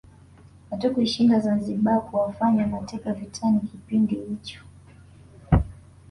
Hatukuishinda Zanzibar kuwafanya mateka vitani kipindi hicho